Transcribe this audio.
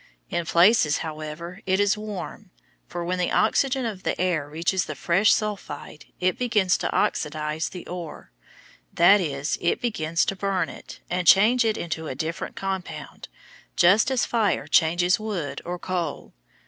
In places, however, it is warm, for when the oxygen of the air reaches the fresh sulphide it begins to oxidize the ore; that is, it begins to burn it, and change it into a different compound, just as fire changes wood or coal.